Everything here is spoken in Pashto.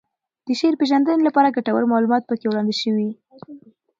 د شعر پېژندنې لپاره ګټور معلومات پکې وړاندې شوي